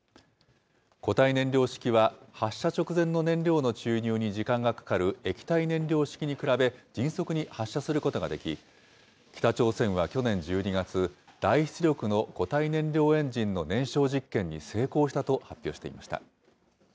固体燃料式は発射直前の燃料の注入に時間がかかる液体燃料式に比べ、迅速に発射することができ、北朝鮮は去年１２月、大出力の固体燃料エンジンの燃焼実験に成功したと発表していました。